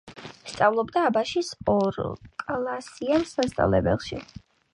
სწავლობდა აბაშის ორკლასიან სასწავლებელში.